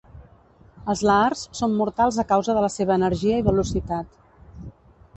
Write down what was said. Els lahars són mortals a causa de la seva energia i velocitat.